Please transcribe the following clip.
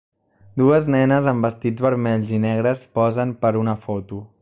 Dues nenes amb vestits vermells i negres posen per una foto